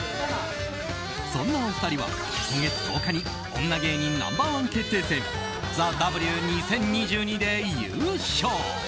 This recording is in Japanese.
そんなお二人は、今月１０日に女芸人ナンバー１決定戦「ＴＨＥＷ２０２２」で優勝。